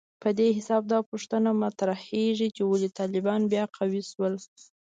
په دې حساب دا پوښتنه مطرحېږي چې ولې طالبان بیا قوي شول